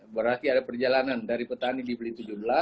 berarti ada perjalanan dari petani dibeli tujuh belas